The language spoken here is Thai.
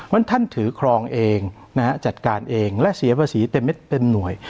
ฉะท่านถือครองเองนะฮะจัดการเองและเสียภาษีเต็มเม็ดเต็มหน่วย